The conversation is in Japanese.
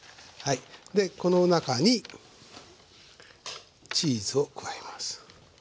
でこの中にチーズを加えます。